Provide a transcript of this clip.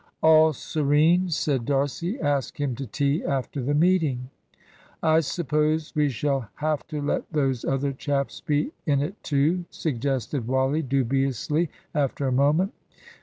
"All serene," said D'Arcy. "Ask him to tea after the meeting." "I suppose we shall have to let those other chaps be in it too," suggested Wally dubiously, after a moment.